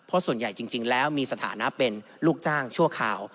เพราะส่วนใหญ่จริงแล้วมีสถานะเป็นลูกจ้างชั่วคราว